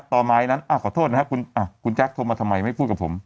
ต่อไม้นั้นขอโทษนะครับคุณแจ๊คโทรมาทำไมไม่พูดกับผม